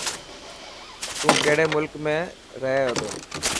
تو ڪهڙي ملڪ ۾ رهي و.